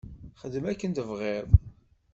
Xdem akken tebɣiḍ.